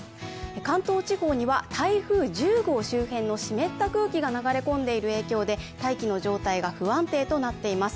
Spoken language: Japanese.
関東地方には台風１０号周辺の湿った空気が流れ込んでいる影響で大気の状態が不安定となっています。